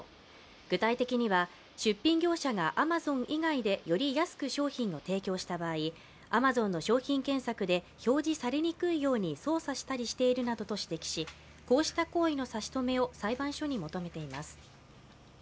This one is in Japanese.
具体的には出品業者がアマゾン以外でより安く商品を提供した場合、アマゾンの商品検索で表示されにくいように操作したりしていると指摘し、こうした行為の差し止めを裁判所に求めています。